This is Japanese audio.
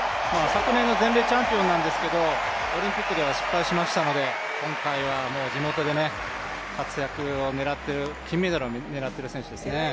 昨年の全米チャンピオンですけどオリンピックでは失敗しましたので今回は地元で活躍を狙っている金メダルを狙っている選手ですね。